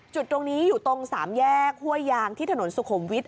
จุดตรงนี้อยู่ตรงสามแยกห้วยยางที่ถนนสุขุมวิทย